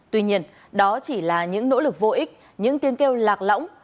tuy nhiên đó chỉ là những nỗ lực vô ích những tiên kêu lạc lõng